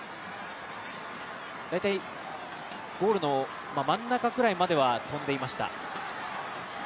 大体、ゴールの真ん中ぐらいまでは飛んでいました。